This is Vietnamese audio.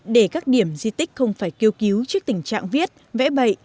để các điểm di tích không phải kêu cứu trước tình trạng viết vẽ bậy